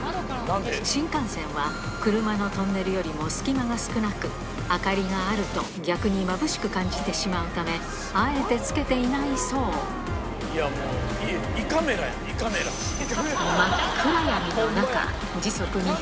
新幹線は車のトンネルよりも隙間が少なく明かりがあると逆にまぶしく感じてしまうためあえてつけていないそうもう胃カメラやん。